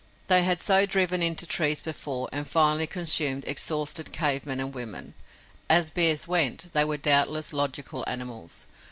They had so driven into trees before, and finally consumed exhausted cave men and women. As bears went, they were doubtless logical animals.